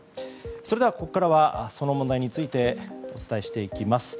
ここからは、その問題についてお伝えしていきます。